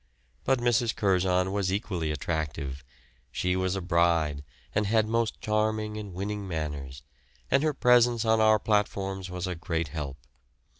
But Mrs. Curzon was equally attractive; she was a bride, and had most charming and winning manners, and her presence on our platforms was a great help.